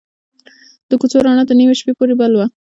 د کوڅې رڼا تر نیمې شپې پورې بل وه.